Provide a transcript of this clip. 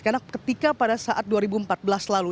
karena ketika pada saat dua ribu empat belas lalu